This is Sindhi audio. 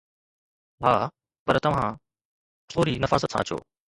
ها، پر توهان ٿوري نفاست سان اچو